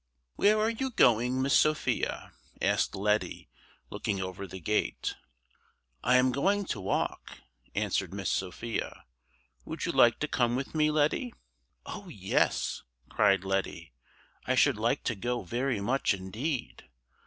"WHERE are you going, Miss Sophia?" asked Letty, looking over the gate. "I am going to walk," answered Miss Sophia. "Would you like to come with me, Letty?" "Oh yes!" cried Letty, "I should like to go very much indeed!